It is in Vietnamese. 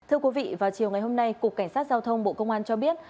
thưa quý vị vào chiều ngày hôm nay cục cảnh sát giao thông bộ công an cho biết